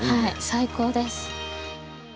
◆最高です。